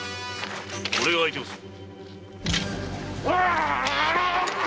俺が相手をする。